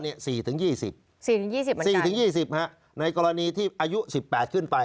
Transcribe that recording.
๔๒๐๔๒๐ในกรณีที่อายุ๑๘ขึ้นไป